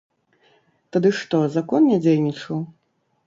Тады што, закон не дзейнічаў?